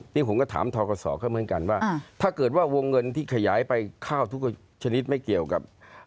นี่ผมก็ถามทกศเขาเหมือนกันว่าถ้าเกิดว่าวงเงินที่ขยายไปข้าวทุกชนิดไม่เกี่ยวกับ